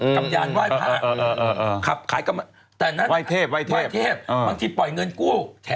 กำยานไหว้พระ